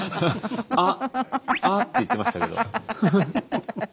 「あっ！」って言ってましたけど。